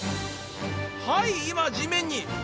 はい今地面に！